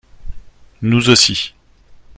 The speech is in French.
Nous aussi